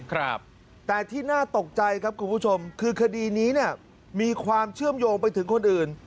ครับแต่ที่น่าตกใจครับคุณผู้ชมคือคดีนี้เนี่ยมีความเชื่อมโยงไปถึงคนอื่น